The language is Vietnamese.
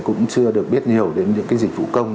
cũng chưa được biết nhiều đến những cái dịch vụ công